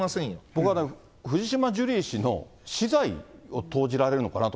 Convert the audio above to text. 僕は、藤島ジュリー氏の私財を投じられるのかなと。